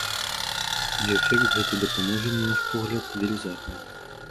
І эфект гэтай дапамогі, на наш погляд, велізарны.